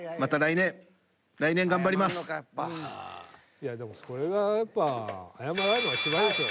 いやでもそれがやっぱ謝られるのがいちばんいいでしょ。